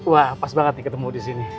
wah pas banget nih ketemu di sini